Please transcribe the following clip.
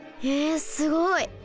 えすごい！